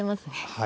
はい。